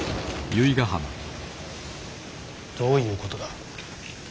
どういうことだ。